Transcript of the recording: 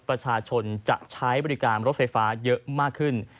ประชาชนจะใช้บริการรถไฟฟ้าเยอะมากขึ้น